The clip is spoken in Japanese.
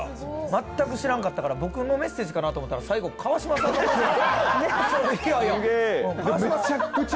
全く知らんかったから僕のメッセージかなと思ったら最後、川島さんのメッセージ。